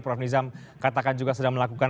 prof nizam katakan juga sedang melakukan